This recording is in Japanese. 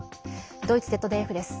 ドイツＺＤＦです。